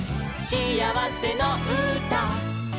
「しあわせのうた」